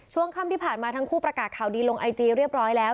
ช่วงค่ำที่ผ่านมาทั้งคู่ประกาศข่าวดีลงไอจีเรียบร้อยแล้ว